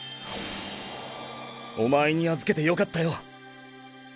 おまえにあずけてよかったよ。